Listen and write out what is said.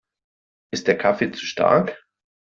Ist der Kaffee zu stark?